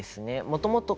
もともと。